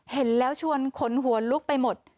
เห็นแล้วชวนขนหัวลุกไปหมด